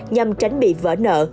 nhằm tránh bị vỡ nợ